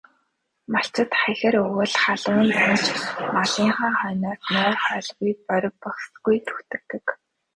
Малчид хахир өвөл, халуун зун ч малынхаа хойноос нойр, хоолгүй борви бохисхийлгүй зүтгэдэг.